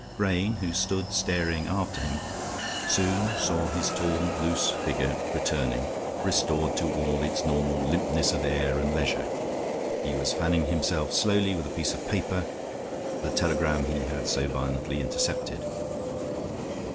Grayne, who stood staring after him, soon saw his tall, loose figure, returning, restored to all its normal limpness and air of leisure. He was fanning himself slowly with a piece of paper, the telegram he had so violently intercepted.